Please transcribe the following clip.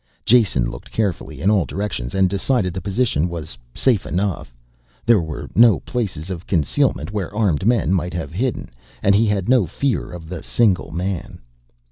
Jason looked carefully in all directions and decided the position was safe enough. There were no places of concealment where armed men might have hidden and he had no fear of the single man.